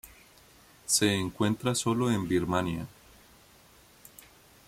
Se encuentra sólo en Birmania.